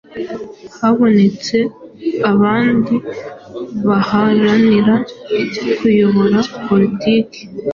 Habonetse abandi baharanira kuyobora politiki